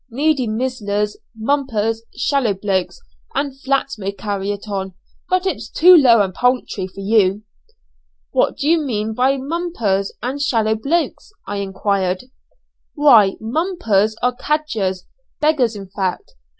Needy mizzlers, mumpers, shallow blokes, and flats may carry it on, but it's too low and paltry for you." "Who do you mean by mumpers and shallow blokes?" I enquired. "Why 'mumpers' are cadgers; beggars in fact.